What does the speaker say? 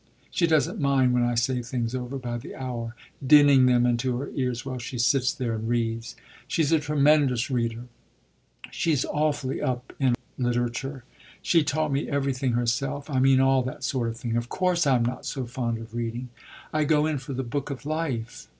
"She doesn't mind when I say things over by the hour, dinning them into her ears while she sits there and reads. She's a tremendous reader; she's awfully up in literature. She taught me everything herself. I mean all that sort of thing. Of course I'm not so fond of reading; I go in for the book of life."